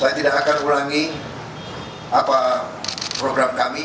saya tidak akan ulangi apa program kami